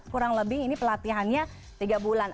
kurang lebih ini pelatihannya tiga bulan